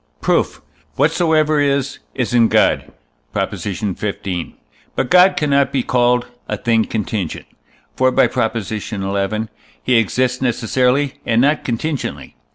Proof. Whatsoever is, is in God (Prop. xv.). But God cannot be called a thing contingent. For (by Prop. xi.) he exists necessarily, and not contingently.